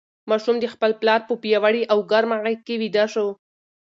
ماشوم د خپل پلار په پیاوړې او ګرمه غېږ کې ویده شو.